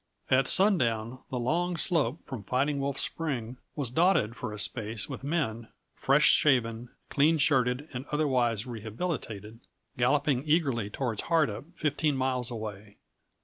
At sundown the long slope from Fighting Wolf Spring was dotted for a space with men, fresh shaven, clean shirted and otherwise rehabilitated, galloping eagerly toward Hardup fifteen miles away.